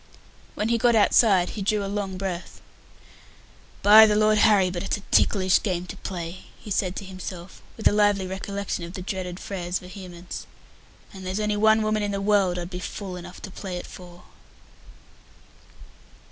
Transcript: When he got outside he drew a long breath. "By the Lord Harry, but it's a ticklish game to play," he said to himself, with a lively recollection of the dreaded Frere's vehemence; "and there's only one woman in the world I'd be fool enough to play it for."